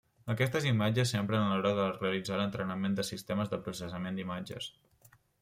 Aquestes imatges s'empren a l'hora de realitzar l'entrenament de sistemes de processament d'imatges.